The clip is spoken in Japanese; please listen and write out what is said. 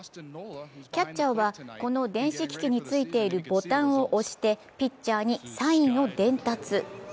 キャッチャーはこの電子機器についているボタンを押してピッチャーにサインを伝達。